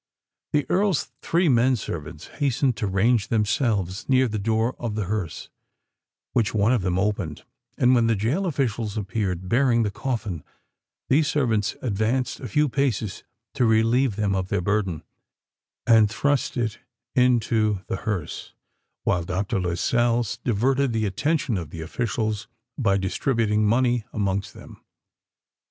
The Earl's three men servants hastened to range themselves near the door of the hearse, which one of them opened: and when the gaol officials appeared, bearing the coffin, these servants advanced a few paces to relieve them of their burthen, and thrust it into the hearse, while Dr. Lascelles diverted the attention of the officials by distributing money amongst them.